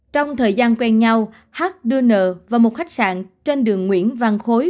trong thời gian quen nhau hát đưa nợ vào một khách sạn trên đường nguyễn văn khối